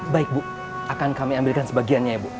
baik bu akan kami ambilkan sebagiannya ya bu